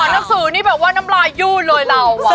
หนังสือนี่แบบว่าน้ำลายยู่เลยเรา